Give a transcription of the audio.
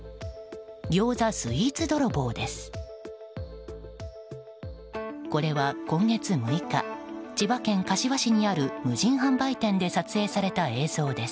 ギョーザ、スイーツ泥棒です。